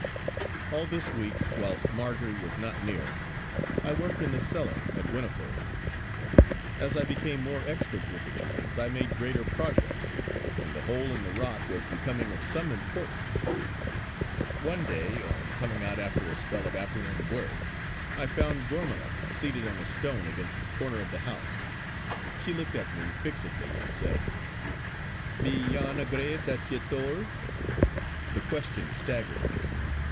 All this week, whilst Marjory was not near, I worked in the cellar at Whinnyfold. As I became more expert with the tools, I made greater progress, and the hole in the rock was becoming of some importance. One day on coming out after a spell of afternoon work, I found Gormala seated on a stone against the corner of the house. She looked at me fixedly and said: "Be yon a grave that ye thole?" The question staggered me.